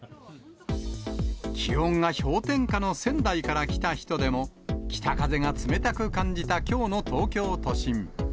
気温が氷点下の仙台から来た人でも、北風が冷たく感じたきょうの東京都心。